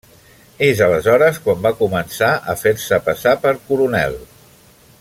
És aleshores quan va començar a fer-se passar per coronel.